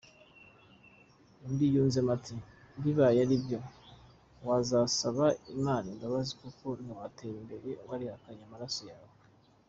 Undi yunzemo ati " Bibaye aribyo wazasaba imana imbabazi kuko niwatera imbere warihakanye amaraso yawe ".